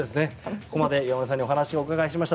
ここまで岩村さんにお話をお伺いしました。